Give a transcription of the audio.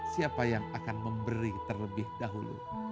siapa yang akan memberi terlebih dahulu